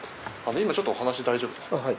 今ちょっとお話大丈夫ですか？